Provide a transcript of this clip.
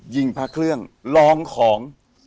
ยิงพระเครื่องลองของ